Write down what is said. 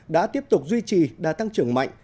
đã tiếp tục duy trì đã tăng trưởng mạnh